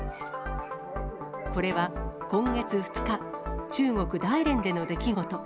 これは今月２日、中国・大連での出来事。